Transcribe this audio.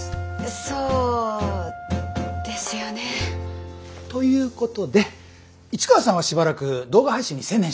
そうですよね。ということで市川さんはしばらく動画配信に専念して。